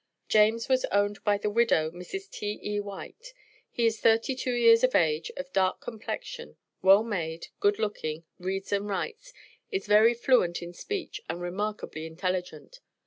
James was owned by the widow, Mrs. T.E. White. He is thirty two years of age, of dark complexion, well made, good looking, reads and writes, is very fluent in speech, and remarkably intelligent.